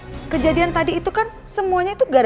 dia tau kok kejadian tadi itu kan semuanya itu ganteng